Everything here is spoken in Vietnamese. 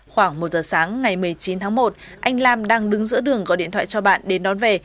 khoảng một giờ sáng ngày một mươi chín tháng một anh lam đang đứng giữa đường gọi điện thoại cho bạn đến đón về